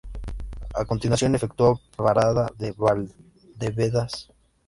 A continuación efectúa parada en Valdebebas.